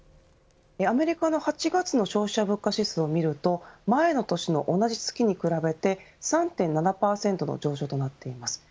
アメリカの８月の消費者物価指数を見ると前の年の同じ月に比べて３．７％の上昇となっています。